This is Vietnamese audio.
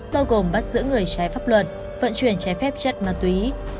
bao gồm bắt giữ người trái pháp luật vận chuyển trái phép chất ma túy